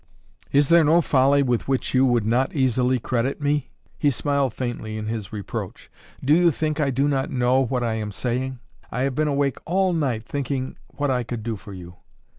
"Is there no folly with which you would not easily credit me?" He smiled faintly in his reproach. "Do you think I do not know what I am saying? I have been awake all night thinking what I could do for you."